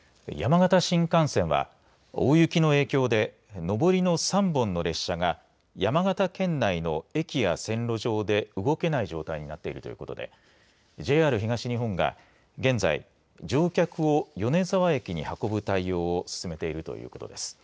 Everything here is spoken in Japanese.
山形新幹線は大雪の影響で上りの３本の列車が山形県内の駅や線路上で動けない状態になっているということでＪＲ東日本が現在乗客を米沢駅に運ぶ対応を進めているということです。